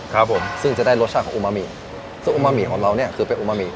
ครับผมซึ่งจะได้รสชาติของอุมาหมิซึ่งโอมาหิของเราเนี่ยคือเป็นอุมาหิ